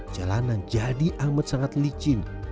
jalanan jadi amat sangat licin